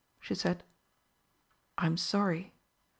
she said. "I'm sorry."